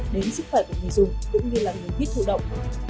đến sức khỏe của người dùng cũng như là người biết thủ động